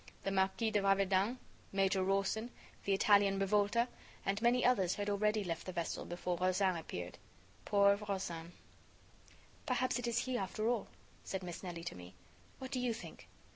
The Marquis de Raverdan, Major Rawson, the Italian Rivolta, and many others had already left the vessel before Rozaine appeared. Poor Rozaine! "Perhaps it is he, after all," said Miss Nelly to me. "What do you think?"